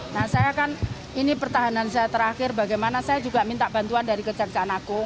nah saya kan ini pertahanan saya terakhir bagaimana saya juga minta bantuan dari kejaksaan agung